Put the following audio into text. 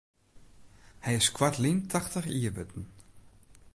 Hy is koartlyn tachtich jier wurden.